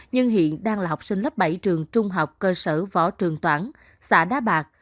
nhưng hiện đang là học sinh lớp bảy trường trung học cơ sở võ trường toản xã đá bạc